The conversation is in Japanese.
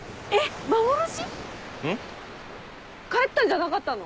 帰ったんじゃなかったの？